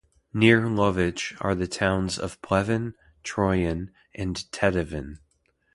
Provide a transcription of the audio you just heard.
Near Lovech are the towns of Pleven, Troyan and Teteven.